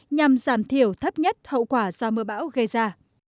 nhằm giảm thiểu thấp nhất hậu quả do mưa bão gây ra